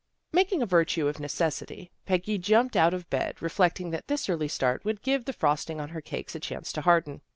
Ma king a virtue of necessity, Peggy jumped out of bed, reflecting that this early start would give the frosting on her cakes a chance to harden.